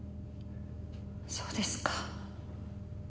そうですか。